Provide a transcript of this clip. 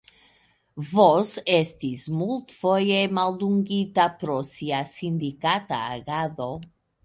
Vos estis multfoje maldungita pro sia sindikata agado.